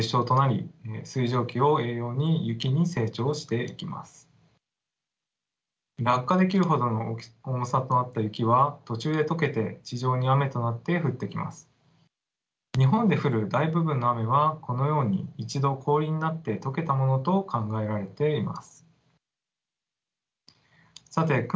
日本で降る大部分の雨はこのように一度氷になって解けたものと考えられています。